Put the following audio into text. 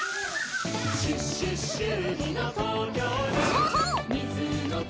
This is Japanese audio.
そうそう！